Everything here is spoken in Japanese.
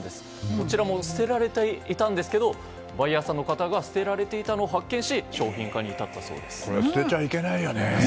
こちらも捨てられていたんですがバイヤーさんの方が捨てられていたのを発見しこれ捨てちゃいけないよね。